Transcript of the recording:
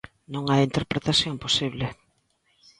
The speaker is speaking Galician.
Non hai interpretación posible.